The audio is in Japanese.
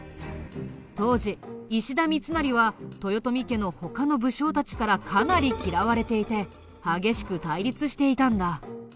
当時石田三成は豊臣家の他の武将たちからかなり嫌われていて激しく対立していたんだ。